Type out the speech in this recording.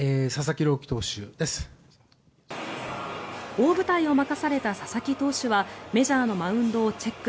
大舞台を任された佐々木投手はメジャーのマウンドをチェック。